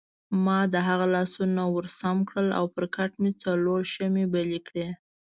ما د هغه لاسونه ورسم کړل او پر کټ مې څلور شمعې بلې کړې.